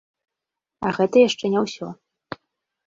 А гэта яшчэ не ўсё.